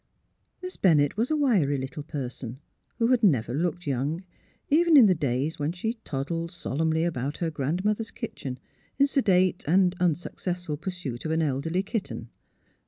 Miss Bennett was a wiry little person who had never looked young, even in the days when she toddled solemnly about her grandmother's kitchen in sedate and unsuccessful pursuit of an elderly kitten.